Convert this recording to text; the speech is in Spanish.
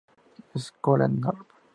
Scuola Norm.